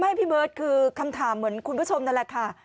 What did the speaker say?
พี่เบิร์ตคือคำถามเหมือนคุณผู้ชมนั่นแหละค่ะ